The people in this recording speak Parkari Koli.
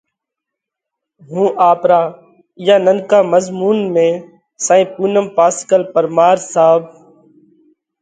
هُون آپرا اِيئا ننڪا مضمُونَ ۾ سائين پُونم پاسڪل پرمار صاحب